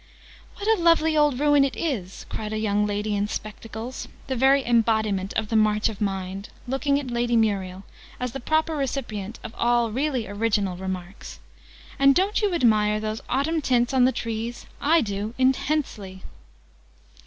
"What a lovely old ruin it is!" cried a young lady in spectacles, the very embodiment of the March of Mind, looking at Lady Muriel, as the proper recipient of all really original remarks. "And don't you admire those autumn tints on the trees? I do, intensely!"